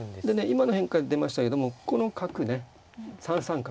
今の変化で出ましたけどもこの角ね３三角。